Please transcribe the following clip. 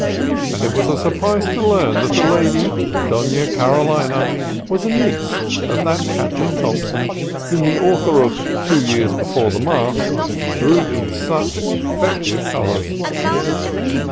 And it was a surprise to learn that the lady, Dona Carolina, was a niece of that Captain Thompson whom the author of "Two Years Before the Mast" drew in such effec tive colors.